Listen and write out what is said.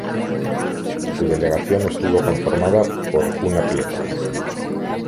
Su delegación estuvo conformada por un atleta.